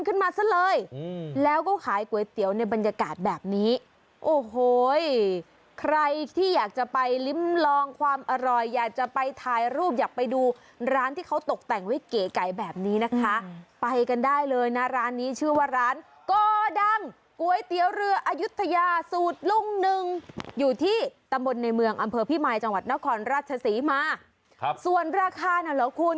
ขึ้นมาซะเลยอืมแล้วก็ขายก๋วยเตี๋ยวในบรรยากาศแบบนี้โอ้โหใครที่อยากจะไปลิ้มลองความอร่อยอยากจะไปถ่ายรูปอยากไปดูร้านที่เขาตกแต่งไว้เก๋ไก่แบบนี้นะคะไปกันได้เลยนะร้านนี้ชื่อว่าร้านโกดังก๋วยเตี๋ยวเรืออายุทยาสูตรลุงหนึ่งอยู่ที่ตำบลในเมืองอำเภอพี่มายจังหวัดนครราชศรีมาครับส่วนราคาน่ะเหรอคุณ